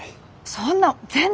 そんな全然。